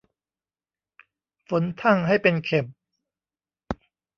ฝนทั่งให้เป็นเข็ม